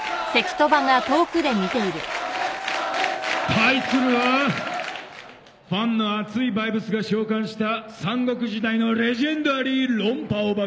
対するはファンの熱いバイブスが召喚した三国時代のレジェンダリー論破オバケ。